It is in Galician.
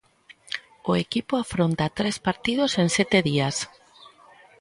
O equipo afronta tres partidos en sete días.